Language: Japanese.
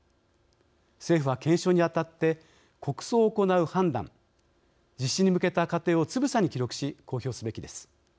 政府は、検証に当たって国葬を行う判断実施に向けた過程をつぶさに記録し、公表すべきです。